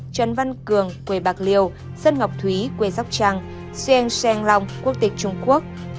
trân văn cường quê bạc liêu sơn ngọc thúy quê dóc trăng xuên xen long quốc tịch trung quốc